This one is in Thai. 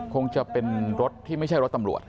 คงจะเป็นรถที่ไม่ใช่รถตำรวจ